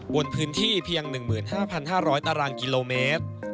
บนพื้นที่เพียง๑๕๕๐๐ตารางกิโลเมตร